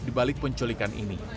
dibalik penculikan ini